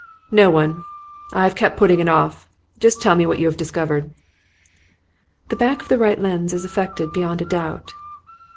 'No one. I have kept putting it off. Just tell me what you have discovered.' 'The back of the right lens is affected beyond a doubt.